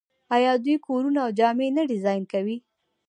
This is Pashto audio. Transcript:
آیا دوی کورونه او جامې نه ډیزاین کوي؟